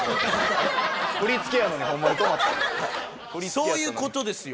そういう事ですよ。